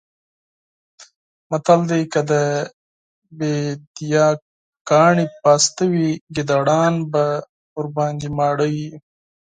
متل دی: که د بېدیا کاڼي پاسته وی ګېدړان به پرې ماړه وی.